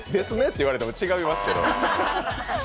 言われても違いますけど。